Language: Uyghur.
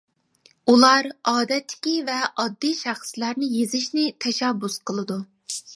ئۇلار ئادەتتىكى ۋە ئاددىي شەخسلەرنى يېزىشنى تەشەببۇس قىلىدۇ.